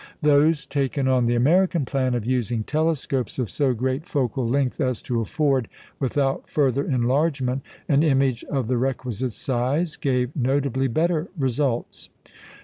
Those taken on the American plan of using telescopes of so great focal length as to afford, without further enlargement, an image of the requisite size, gave notably better results.